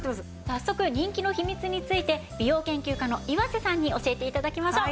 早速人気の秘密について美容研究家の岩瀬さんに教えて頂きましょう。